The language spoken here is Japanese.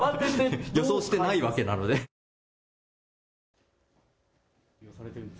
予想していないわけなので。